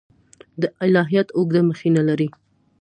دا الهیات اوږده مخینه لري.